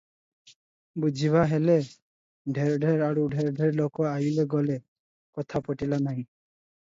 ବୁଝିବାହେଲେ, ଢେର ଢେର ଆଡୁ ଢେର ଢେର ଲୋକ ଅଇଲେ- ଗଲେ, କଥା ପଟିଲା ନାହିଁ ।